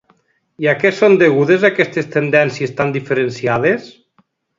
I a què són degudes aquestes tendències tan diferenciades?